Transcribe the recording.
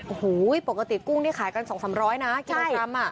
โอ้โหปกติกุ้งนี่ขายกัน๒๓๐๐นะกิโลกรัม